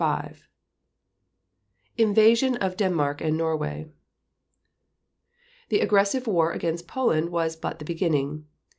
The Invasion of Denmark and Norway The aggressive war against Poland was but the beginning.